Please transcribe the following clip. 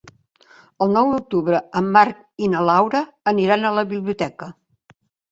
El nou d'octubre en Marc i na Laura aniran a la biblioteca.